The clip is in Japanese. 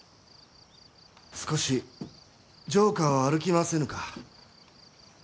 少し城下を歩きませぬか。